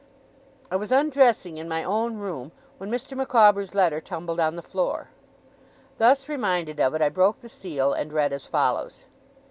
I was undressing in my own room, when Mr. Micawber's letter tumbled on the floor. Thus reminded of it, I broke the seal and read as follows.